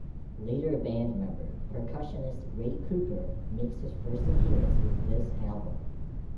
Later band member, percussionist Ray Cooper, makes his first appearance with this album.